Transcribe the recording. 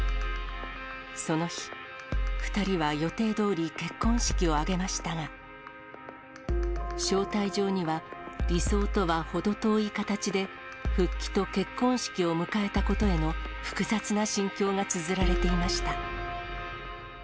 その日、２人は予定どおり、結婚式を挙げましたが、招待状には理想とは程遠い形で、復帰と結婚式を迎えたことへの複雑な心境がつづられていました。